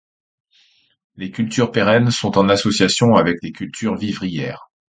Les cultures pérennes sont en association avec les cultures vivrières.